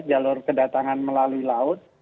jalur kedatangan melalui laut